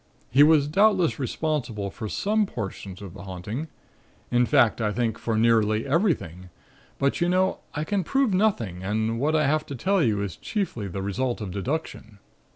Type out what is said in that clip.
He was doubtless responsible for some portions of the 'haunting'; in fact I think for nearly everything, but, you know, I can prove nothing and what I have to tell you is chiefly the result of deduction.